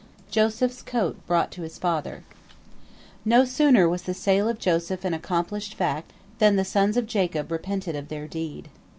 JOSEPH'S COAT BROUGHT TO HIS FATHER No sooner was the sale of Joseph an accomplished fact than the sons of Jacob repented of their deed.